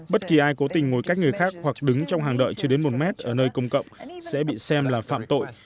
bất kỳ ai cố tình ngồi cách người khác hoặc đứng trong hàng đợi chưa đến một mét ở nơi công cộng sẽ bị xem là phạm tội